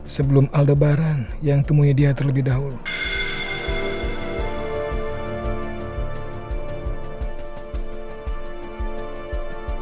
sebelum aldebaran yang temui dia terlebih dahulu